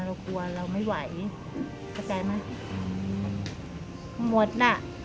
เรากลัวเราไม่ไหวเข้าใจไหมหมดน่ะ